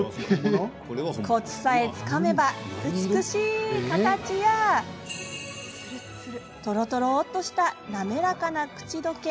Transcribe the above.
コツさえつかめば美しい形やとろとろっとしたなめらかな口どけ。